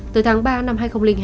từ tháng ba năm hai nghìn hai